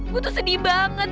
gue tuh sedih banget